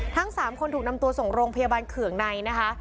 ทั้ง๓คนถูกนำตัวส่งโรงพยาบาลเขื่องในนะคะ